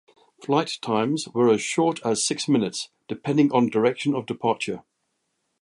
Flight times were as short as six minutes, depending on direction of departure.